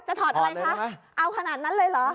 ถอดอะไรคะเอาขนาดนั้นเลยเหรอ